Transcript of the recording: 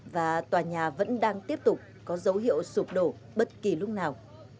và tòa nhà vẫn đang tiếp tục có dấu hiệu sụp đổ bất kỳ lúc nào